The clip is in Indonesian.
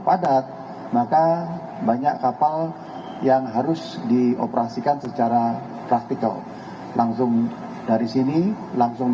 padat maka banyak kapal yang harus dioperasikan secara praktikal langsung dari sini langsung